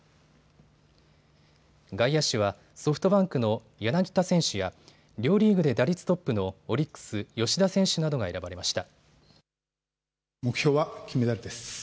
外野手はソフトバンクの柳田選手や両リーグで打率トップのオリックス・吉田選手などが選ばれました。